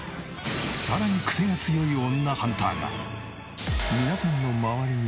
さらにクセが強い女ハンターが。